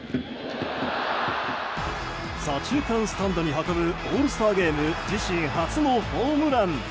左中間スタンドに運ぶオールスターゲーム自身初のホームラン。